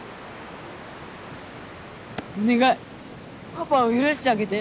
お願いパパを許してあげて。